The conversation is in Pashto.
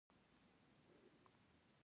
زمرد د افغانستان طبعي ثروت دی.